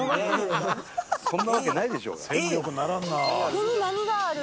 手に何がある？